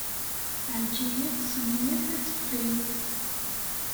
Ɛelǧiya tesmenyaf ad teqqim.